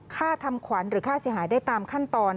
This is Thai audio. ค่าทำขวัญหรือค่าเสียหายได้ตามขั้นตอน